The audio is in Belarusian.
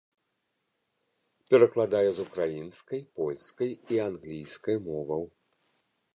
Перакладае з украінскай, польскай і англійскай моваў.